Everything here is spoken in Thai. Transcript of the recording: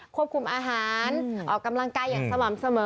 คุมอาหารออกกำลังกายอย่างสม่ำเสมอ